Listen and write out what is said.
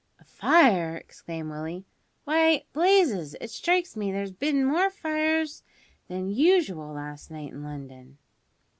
"A fire!" exclaimed Willie. "Why, Blazes, it strikes me there's bin more fires than usual last night in London."